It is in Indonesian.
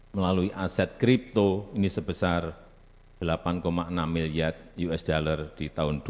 melalui aset kripto ini sebesar delapan enam miliar usd di tahun dua ribu dua